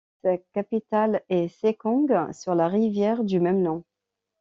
Sa capitale est Sékong, sur la rivière du même nom.